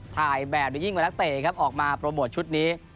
ถ่ายแบบโดยยิ่งกว่านักเตะครับออกมาโปรโมทชุดนี้